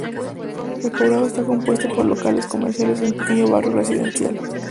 El poblado está compuesto por locales comerciales y un pequeño barrio residencial.